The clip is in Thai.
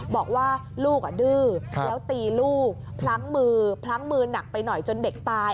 บอกว่าลูกดื้อแล้วตีลูกพลั้งมือพลั้งมือหนักไปหน่อยจนเด็กตาย